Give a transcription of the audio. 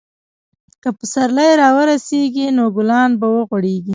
که پسرلی راورسیږي، نو ګلان به وغوړېږي.